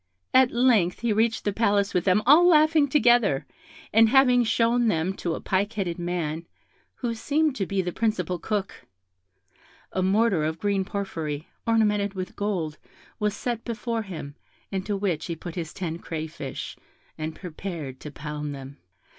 At length he reached the Palace with them all laughing together, and having shown them to a pike headed man, who seemed to be the principal cook, a mortar of green porphyry, ornamented with gold, was set before him, into which he put his ten crayfish, and prepared to pound them.